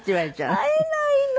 会えないの。